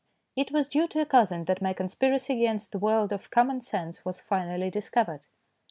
It was due to a cousin that my conspiracy against the world of common sense was finally discovered.